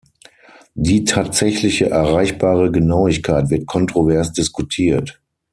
Die tatsächliche erreichbare Genauigkeit wird kontrovers diskutiert.